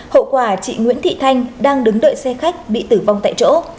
hậu quả chị nguyễn thị thanh đang đứng đợi xe khách bị tử vong tại chỗ